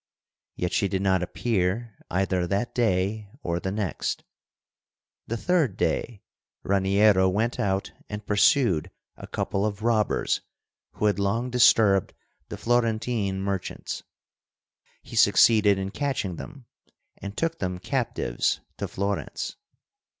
Yet she did not appear either that day or the next. The third day Raniero went out and pursued a couple of robbers who had long disturbed the Florentine merchants. He succeeded in catching them, and took them captives to Florence.